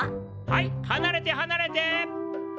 はいはなれてはなれて。